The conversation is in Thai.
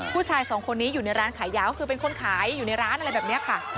ผู้ชายสองคนนี้อยู่ในร้านขายยาก็คือเป็นคนขายอยู่ในร้านอะไรแบบนี้ค่ะ